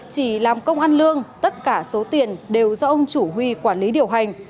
chỉ làm công ăn lương tất cả số tiền đều do ông chủ huy quản lý điều hành